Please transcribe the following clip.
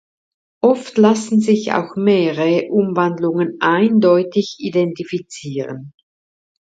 Oft lassen sich auch mehrere Umwandlungen eindeutig identifizieren.